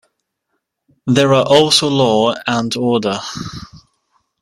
There are also law and order.